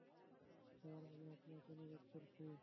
Sir, আমি আপনাকে অনুরোধ করছি।